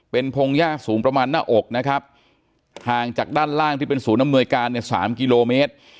เป็นพงหญ้าสูงประมาณหน้าอกนะครับห่างจากด้านล่างที่เป็นศูนย์อำนวยการเนี่ย๓กิโลเมตร